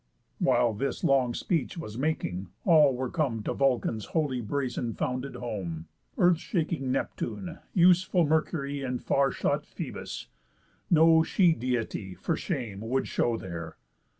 While this long speech was making, all were come To Vulcan's wholly brazen founded home, Earth shaking Neptune, useful Mercury, And far shot Phœbus. No She Deity, For shame, would show there.